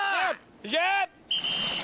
いけ！